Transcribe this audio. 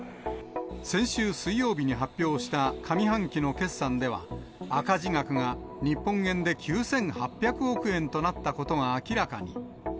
先週水曜日に発表した上半期の決算では、赤字額が日本円で９８００億円となったことが明らかに。